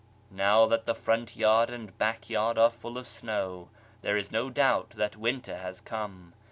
Now that the I'runt yanl and back yanl are lull ol' snow, There is no doubt that winter has come.